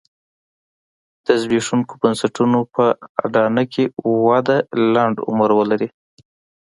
د زبېښونکو بنسټونو په اډانه کې وده لنډ عمر ولري.